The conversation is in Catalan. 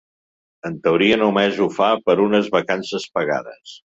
En teoria només ho fa per unes vacances pagades.